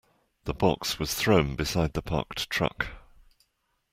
The box was thrown beside the parked truck.